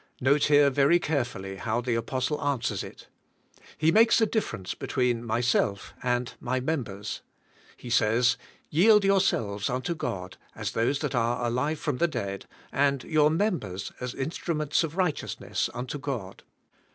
Note here very carefully how the apostle answers it. He makes a difference between myself and my members. He says, ^^Yield yourselves unto God as those that are alive from the dead, and your members as instru ments of righteousness unto God."